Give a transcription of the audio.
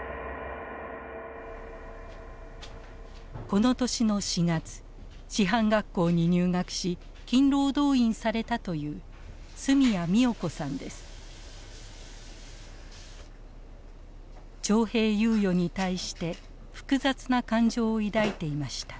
この年の４月師範学校に入学し勤労動員されたという徴兵猶予に対して複雑な感情を抱いていました。